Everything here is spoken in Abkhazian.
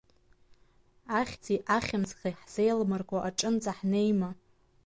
Ахьӡи ахьымӡӷи ҳзеилмырго аҿынӡа ҳнеима?